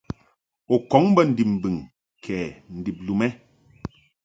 U kɔŋ bə ndib mbɨŋ kɛ ndib lum ɛ?